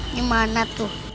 ini mana tuh